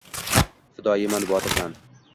Fidoyiman, botirman.